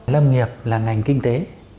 lâm nghiệp là ngành kinh tế